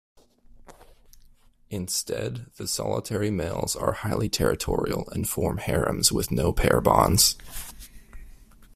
Instead the solitary males are highly territorial and form harems with no pair bonds.